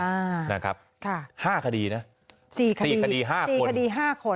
หายไปไหนแล้วใช่ไหมนะครับ๕คดีนะ๔คดี๕คน